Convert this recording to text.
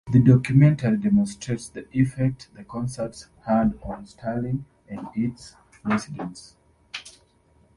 The documentary demonstrates the effect the concerts had on Stirling and its residents.